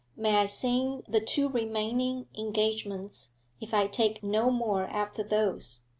'May I sing the two remaining engagements, if I take no more after those?'